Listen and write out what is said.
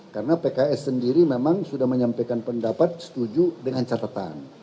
karena pks sendiri memang sudah menyampaikan pendapat setuju dengan catatan